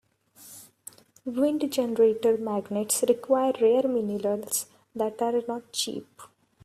Wind generator magnets require rare minerals that are not cheap.